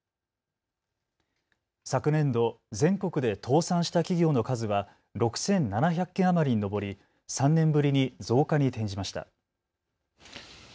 昨年度、全国で倒産した企業の数は６７００件余りに上り３年ぶりに増加に転じました。